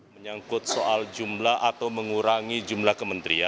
menyangkut soal jumlah atau mengurangi jumlah kementerian